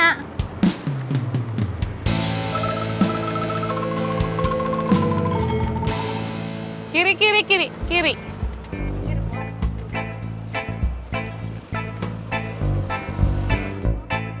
jangan lupa like share dan subscribe ya